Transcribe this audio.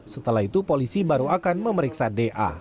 setelah itu polisi baru akan memeriksa da